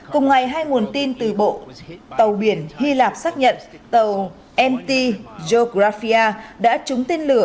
cùng ngày hai nguồn tin từ bộ tàu biển hy lạp xác nhận tàu nt geographia đã trúng tên lửa